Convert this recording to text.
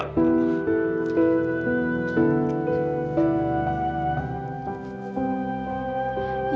aku menderita karena menengah